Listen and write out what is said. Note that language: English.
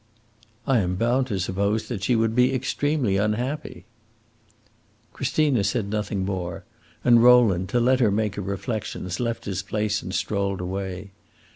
"I am bound to suppose that she would be extremely unhappy." Christina said nothing more, and Rowland, to let her make her reflections, left his place and strolled away.